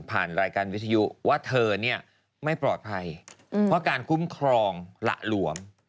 รายการวิทยุว่าเธอเนี่ยไม่ปลอดภัยเพราะการคุ้มครองหละหลวม